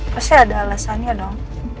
pasti ada alasannya dong